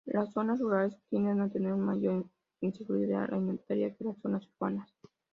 Las zonas rurales tienden a tener una mayor inseguridad alimentaria que las zonas urbanas.